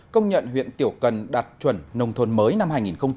công nhận huyện tiểu cần đạt chuẩn nông thôn mới năm hai nghìn một mươi năm